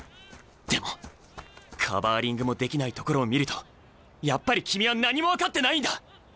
でもカバーリングもできないところを見るとやっぱり君は何も分かってないんだ！